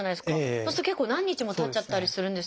そうすると結構何日もたっちゃったりするんですけれども。